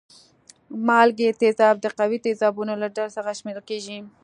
مالګې تیزاب د قوي تیزابونو له ډلې څخه شمیرل کیږي.